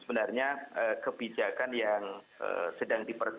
sebenarnya kebijakan yang sedang diperba